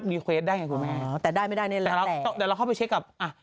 เควดได้ไงคุณแม่อ๋อแต่ได้ไม่ได้แน่เลยแต่เราเดี๋ยวเราเข้าไปเช็คกับอ่ะ